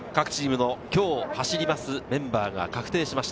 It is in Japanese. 各チームの今日走りますメンバーが確定しました。